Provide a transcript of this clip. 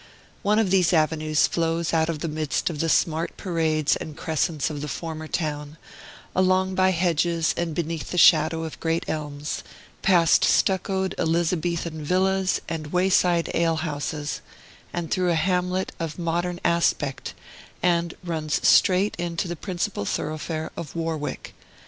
One of these avenues flows out of the midst of the smart parades and crescents of the former town, along by hedges and beneath the shadow of great elms, past stuccoed Elizabethan villas and wayside alehouses, and through a hamlet of modern aspect, and runs straight into the principal thoroughfare of Warwick.